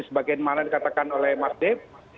sebagai yang dimana dikatakan oleh mas deb